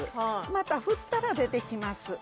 また振ったら出てきます